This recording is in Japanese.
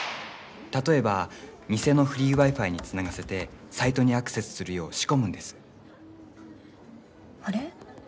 例えば店のフリー Ｗｉ−Ｆｉ につながせてサイトにアクセスするよう仕込むんですあれ？